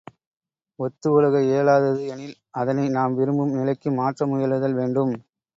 ஒத்து ஒழுக இயலாதது எனில் அதனை நாம் விரும்பும் நிலைக்கு மாற்ற முயலுதல் வேண்டும்.